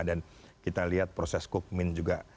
dan kita lihat proses kukmin juga